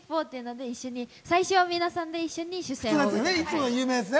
最初は皆さんで一緒に主旋を歌います。